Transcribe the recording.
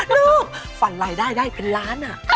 ลูกฝันรายได้ได้เป็นล้าน